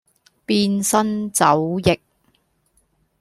變生肘腋